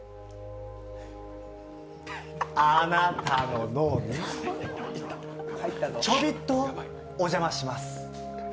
あなたの脳にちょびっとお邪魔します。